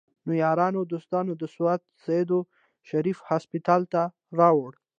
نو يارانو دوستانو د سوات سيدو شريف هسپتال ته راوړو